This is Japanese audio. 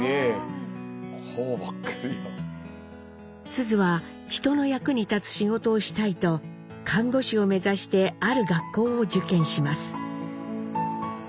須壽は人の役に立つ仕事をしたいと看護師を目指してある学校を受験します。